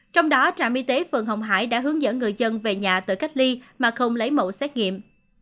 trong đó trạm y tế phường hồng hải đã hướng dẫn người dân về nhà tự cách ly mà không lấy mẫu xét nghiệm